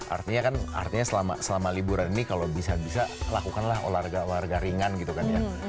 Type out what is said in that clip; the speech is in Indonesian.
artinya kan artinya selama liburan ini kalau bisa bisa lakukanlah olahraga warga ringan gitu kan ya